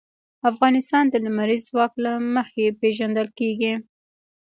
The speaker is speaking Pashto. افغانستان د لمریز ځواک له مخې پېژندل کېږي.